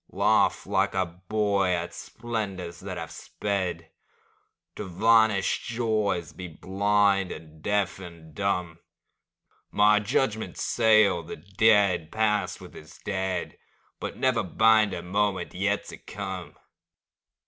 Laugh like a boy at splendors that have sped, To vanished joys be blind and deaf and dumb; My judgments seal the dead past with its dead, But never bind a moment yet to come.